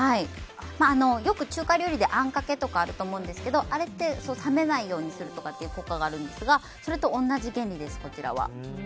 よく中華料理であんかけとかあると思うんですがあれって冷めないようにする効果があるんですが、それと同じ原理です、こちらは。